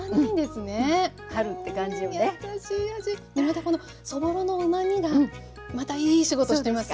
またこのそぼろのうまみがまたいい仕事してますよね。